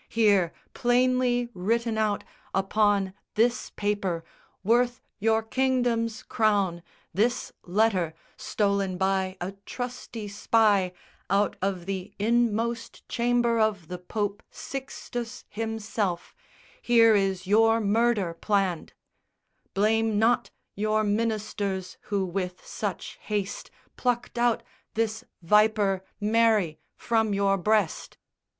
Here, plainly written out Upon this paper, worth your kingdom's crown, This letter, stolen by a trusty spy, Out of the inmost chamber of the Pope Sixtus himself, here is your murder planned: Blame not your Ministers who with such haste Plucked out this viper, Mary, from your breast!